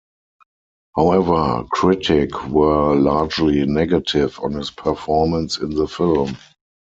However, critique were largely negative on his performance in the film.